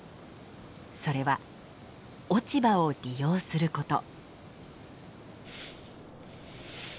それは落ち葉を利用すること。